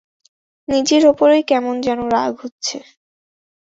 নিজের ওপরই কেমন যেন রাগ হচ্ছে।